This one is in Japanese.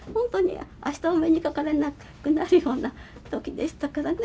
明日お目にかかれなくなるような時でしたからね。